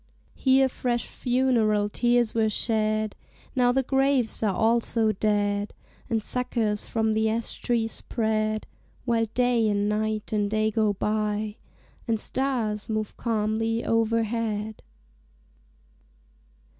Here fresh funeral tears were shed; Now the graves are also dead; And suckers from the ash tree spread, While Day and Night and Day go by; And stars move calmly overhead.